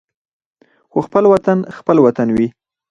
خو خپل وطن خپل وطن وي.